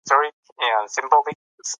افغانستان په خپلو ژبو باندې پوره تکیه لري.